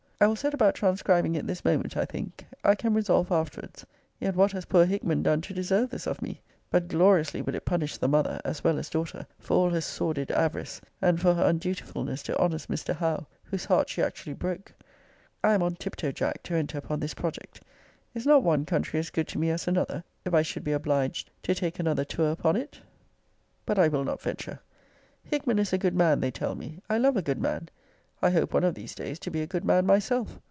I will set about transcribing it this moment, I think. I can resolve afterwards. Yet what has poor Hickman done to deserve this of me! But gloriously would it punish the mother (as well as daughter) for all her sordid avarice; and for her undutifulness to honest Mr. Howe, whose heart she actually broke. I am on tiptoe, Jack, to enter upon this project. Is not one country as good to me as another, if I should be obliged to take another tour upon it? But I will not venture. Hickman is a good man, they tell me. I love a good man. I hope one of these days to be a good man myself.